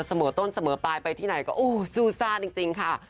เสมอต้นเสมอปลายไปที่ไหนก็โอ้ซู่ซ่าจริงค่ะ